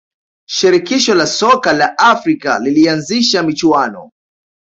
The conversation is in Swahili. shirikisho la soka la afrika lilianzisha michuano